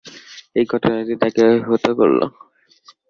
এই ঘটনাটি তাকে অভিভূত করল।